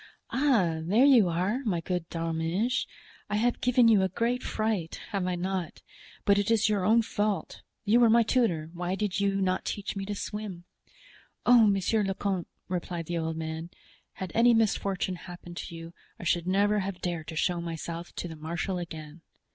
"Ah, there you are, my good D'Arminges; I have given you a great fright, have I not? but it is your own fault. You were my tutor, why did you not teach me to swim?" "Oh, monsieur le comte," replied the old man, "had any misfortune happened to you, I should never have dared to show myself to the marshal again."